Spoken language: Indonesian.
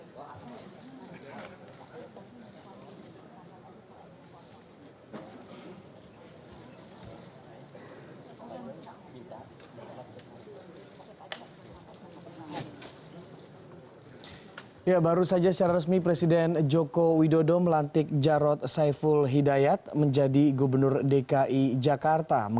pelantikan dr res jarod saipul hidayat ms